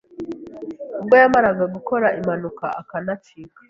ubwo yamaraga gukora impanuka akanacika